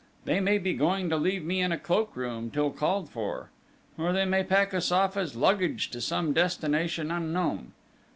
They may be going to leave me in a cloak room till called for; or they may pack us off as luggage to some destination unknown!